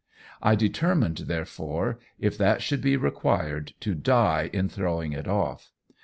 I determined, therefore, if that should be required, to die in throwing it off.